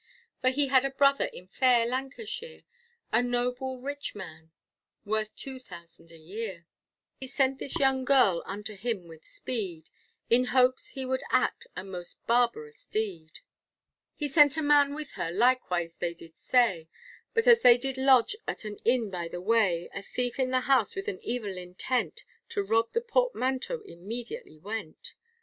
For he had a brother in fair Lancashire, A noble rich man, worth two thousand a year; He sent this young girl unto him with speed, In hopes he would act a most barbarous deed. He sent a man with her, likewise they did say, But as they did lodge at an inn by the way, A thief in the house with an evil intent, To rob the portmanteau immediately went.